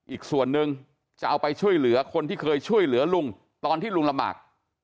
อีกส่วนนึงจะเอาไปช่วยเหลือคนที่เคยช่วยเหลือลุงตอนที่ลุงลำบาก